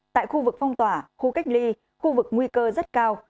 tại khu vực phong tỏa khu cách ly khu vực nguy cơ rất cao